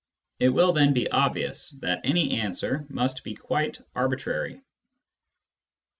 It will then be obvious that any answer must be quite arbitrary.